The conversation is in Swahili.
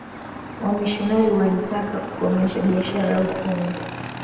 wamishionari walitaka kukomesha biashara ya utumwa